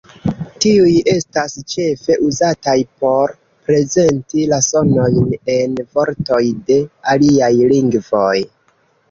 Tiuj estas ĉefe uzataj por prezenti la sonojn en vortoj de aliaj lingvoj.